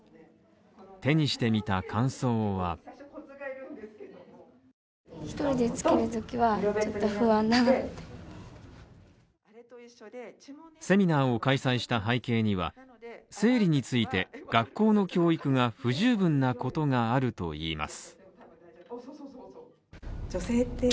手にしてみた感想はセミナーを開催した背景には、生理について学校の教育が不十分なことがあるといいます。